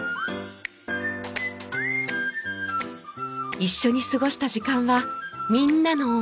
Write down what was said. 一緒に過ごした時間はみんなの思い出。